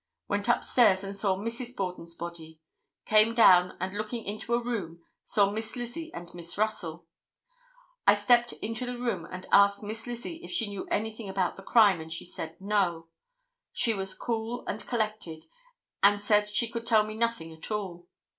Went up stairs and saw Mrs. Borden's body. Came down and looking into a room saw Miss Lizzie and Miss Russell. I stepped into the room and asked Miss Lizzie if she knew anything about the crime, and she said 'No.' She was cool and collected, and said she could tell me nothing at all.